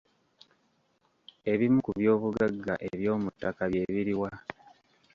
Ebimu ku byobugagga eby'omuttaka bye biri wa?